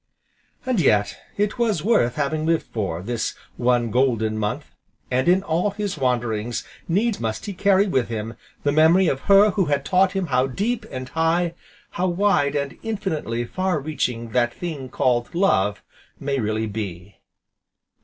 And yet it was worth having lived for, this one golden month, and in all his wanderings needs must he carry with him the memory of her who had taught him how deep and high, how wide and infinitely far reaching that thing called "Love" may really be.